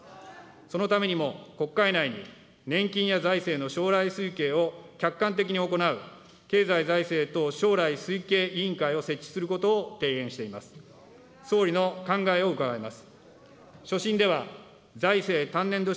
そのためにも国会内に年金や財政の将来推計を客観的に行う経済財政等将来推計委員会を設置することを提言しています。